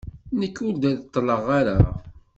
Nekk ur d-reṭṭleɣ ara.